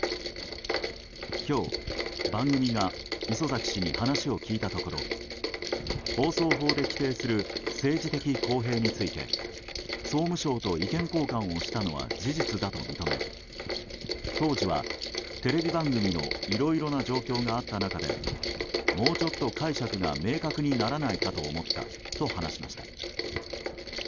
今日、番組が礒崎氏に話を聞いたところ放送法で規定する政治的公平について総務省と意見交換をしたのは事実だと認め当時は、テレビ番組のいろいろな状況があった中でもうちょっと解釈が明確にならないかと思ったと話しました。